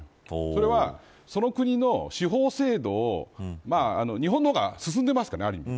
それは、その国の司法制度を日本の方が進んでいますからある意味。